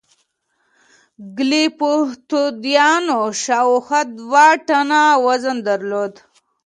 ګلیپتودونانو شاوخوا دوه ټنه وزن درلود.